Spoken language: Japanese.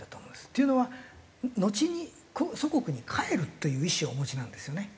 というのはのちに祖国に帰るという意思をお持ちなんですよね。